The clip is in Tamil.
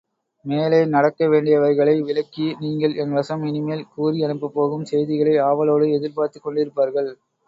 மேலே நடக்க வேண்டியவைகளை விளக்கி, நீங்கள் என் வசம் இனிமேல் கூறி அனுப்பப்போகும் செய்திகளை ஆவலோடு எதிர்பார்த்துக் கொண்டிருப்பார்கள்.